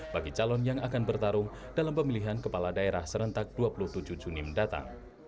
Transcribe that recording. bagi calon yang akan bertarung dalam pemilihan kepala daerah serentak dua puluh tujuh juni mendatang